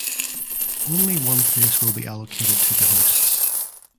Only one place will be allocated to the hosts.